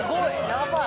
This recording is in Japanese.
やばい！